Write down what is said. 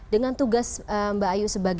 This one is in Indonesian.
dengan tugas mbak ayu sebagai